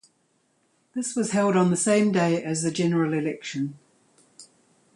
This was held on the same day as the general election.